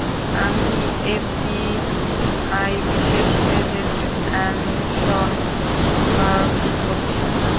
আমি এফবিআই বিশেষ agent Anson Clark বলছি।